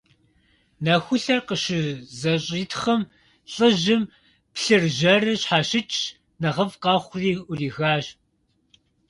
Нэхулъэр къыщызэщӀитхъым, лӏыжьым плъыржьэрыр щхьэщыкӀщ, нэхъыфӀ къэхъури Ӏурихащ.